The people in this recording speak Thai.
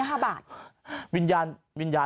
หรือเปล่า